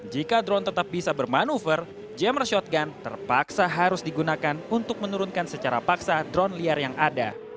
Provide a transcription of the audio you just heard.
jika drone tetap bisa bermanuver jamur shotgun terpaksa harus digunakan untuk menurunkan secara paksa drone liar yang ada